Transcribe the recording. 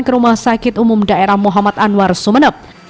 ke rumah sakit umum daerah muhammad anwar sumeneb